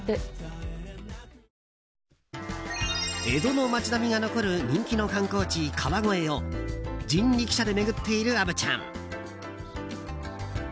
江戸の街並みが残る人気の観光地・川越を人力車で巡っている虻ちゃん。